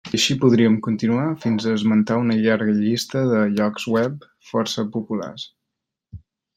I així podríem continuar fins a esmentar una llarga llista de llocs webs força populars.